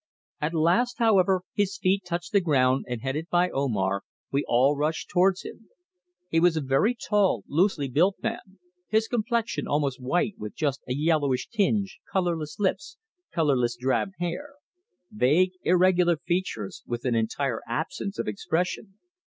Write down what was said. At last, however, his feet touched the ground and headed by Omar, we all rushed towards him. He was a very tall, loosely built man, his complexion almost white with just a yellowish tinge, colourless lips, colourless drab hair; vague irregular features, with an entire absence of expression.